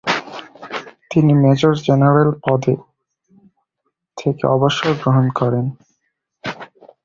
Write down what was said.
তিনি major general পদে থেকে অবসর গ্রহণ করেন।